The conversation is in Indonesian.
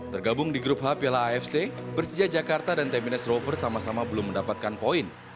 tergabung di grup h piala afc persija jakarta dan tamines rover sama sama belum mendapatkan poin